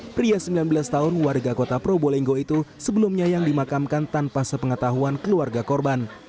pria sembilan belas tahun warga kota probolinggo itu sebelumnya yang dimakamkan tanpa sepengetahuan keluarga korban